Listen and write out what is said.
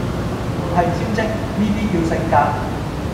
唔係招積，呢啲叫性格